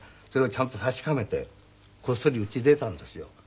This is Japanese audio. それをちゃんと確かめてこっそりうち出たんですよ。